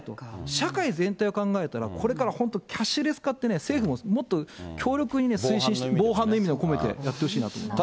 社会全体を考えたら、これから本当、キャッシュレス化って、政府ももっと強力に推進して、防犯の意味も込めてやってほしいなと思います。